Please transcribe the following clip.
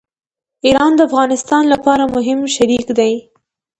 ایران د افغانستان لپاره مهم شریک دی.